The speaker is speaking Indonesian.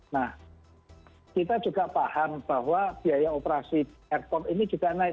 nah kita juga paham bahwa biaya operasi airport ini juga naik